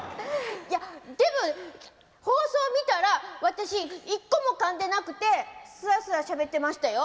いやでも放送見たら私一個もかんでなくてスラスラしゃべってましたよ。